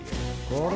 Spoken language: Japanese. あれ？